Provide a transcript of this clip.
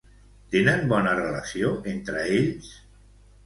Tenen bona relació entre ells?